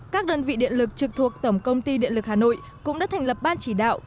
các đơn vị điện lực trực thuộc tổng công ty điện lực hà nội cũng đã thành lập ban chỉ đạo